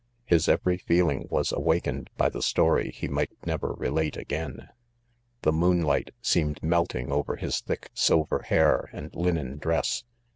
His every feeling was awakened by the story he might never relate again ' The moonlight seemed melting over his thick silver hair .and linen dress.